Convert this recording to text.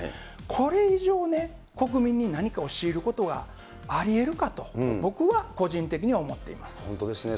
これ以上ね、国民に何かを強いることがありえるかと、僕は個人的には思ってい本当ですね。